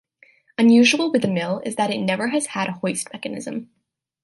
Unusual with the mill is that it never has had a hoist mechanism.